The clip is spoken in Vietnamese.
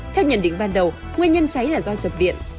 theo nhận định ban đầu nguyên nhân cháy là do chập điện